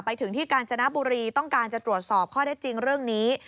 ไปถึงที่กาญจนบุรีต้องการจะตรวจสอบข้อได้จริงเรื่องนี้